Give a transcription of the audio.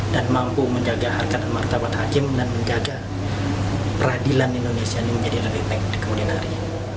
dan mampu menjaga harga dan martabat hakim dan menjaga peradilan indonesia ini menjadi lebih baik kemudian hari